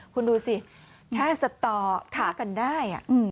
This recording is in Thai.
คุณดูสิแค่สตอฆ่ากันได้